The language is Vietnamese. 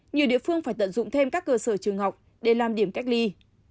nhiều địa phương phải tận dụng thêm các cơ sở trường học để làm điểm cách ly